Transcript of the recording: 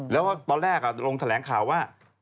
แล้วตอนแรกลงแถลงข่าวว่า